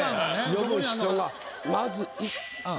読む人が「まず一献」。